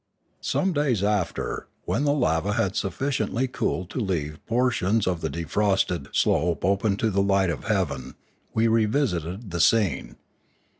Some days after, when the lava had sufficiently cooled to leave portions of the defrosted slope open to the light of heaven, we revisited the scene.